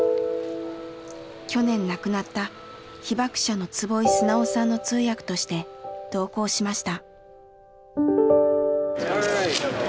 去年亡くなった被爆者の坪井直さんの通訳として同行しました。